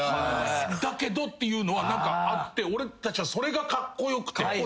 だけどっていうのは何かあって俺たちはそれがカッコ良くて。